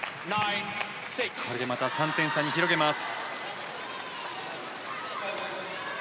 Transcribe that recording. これでまた３点差に広げます。